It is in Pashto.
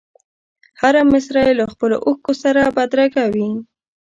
هره مسره یې له خپلو اوښکو سره بدرګه وي.